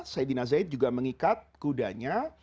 sayyidina zaid juga mengikat kudanya